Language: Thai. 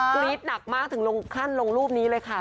กรี๊ดหนักมากถึงลงขั้นลงรูปนี้เลยค่ะ